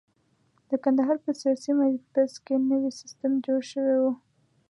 د کندهار په سیاسي محبس کې نوی سیستم جوړ شوی وو.